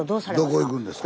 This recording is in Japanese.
どこ行くんですか？